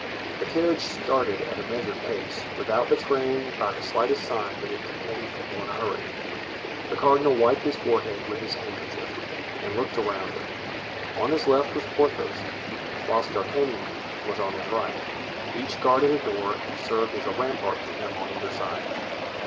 The carriage started at a measured pace, without betraying by the slightest sign that it contained people in a hurry. The cardinal wiped his forehead with his handkerchief and looked around him. On his left was Porthos, whilst D'Artagnan was on his right; each guarded a door and served as a rampart to him on either side.